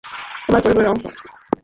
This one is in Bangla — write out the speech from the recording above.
আমার পরিবারের অংশ।